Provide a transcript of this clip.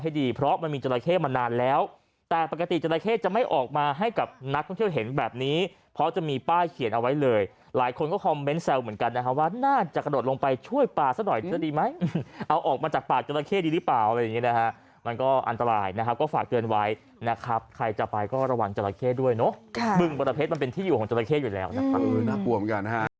น้ำปังน้ำปังน้ำปังน้ำปังน้ำปังน้ำปังน้ำปังน้ำปังน้ำปังน้ำปังน้ำปังน้ำปังน้ำปังน้ำปังน้ำปังน้ำปังน้ำปังน้ำปังน้ำปังน้ำปังน้ำปังน้ำปังน้ำปังน้ำปังน้ำ